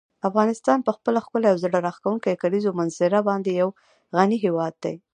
افغانستان په خپله ښکلې او زړه راښکونکې کلیزو منظره باندې یو غني هېواد دی.